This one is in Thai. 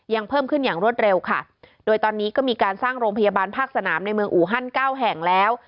เพิ่มขึ้นอย่างรวดเร็วค่ะโดยตอนนี้ก็มีการสร้างโรงพยาบาลภาคสนามในเมืองอูฮันเก้าแห่งแล้ว